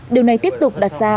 điều này tiếp tục đặt ra